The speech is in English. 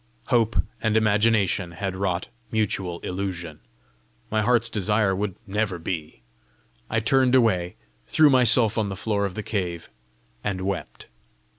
Hope and Imagination had wrought mutual illusion! my heart's desire would never be! I turned away, threw myself on the floor of the cave, and wept.